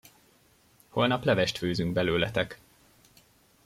Holnap levest főzünk belőletek!